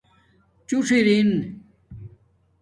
چھݸݽ ارینگ